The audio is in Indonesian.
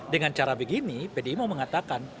dengan cara begini pdi mau mengatakan